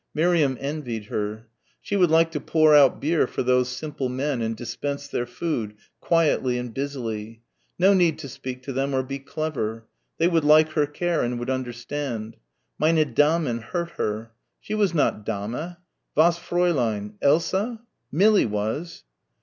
Miriam envied her. She would like to pour out beer for those simple men and dispense their food ... quietly and busily.... No need to speak to them, or be clever. They would like her care and would understand. "Meine Damen" hurt her. She was not Dame Was Fräulein? Elsa? Millie was.